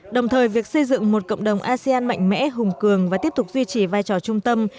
đồng thời việc xây dựng một cộng đồng asean mạnh mẽ hùng cường và tiếp tục duy trì vai trò trung tâm